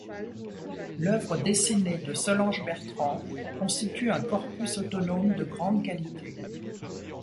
L’œuvre dessinée de Solange Bertrand constitue un corpus autonome de grande qualité.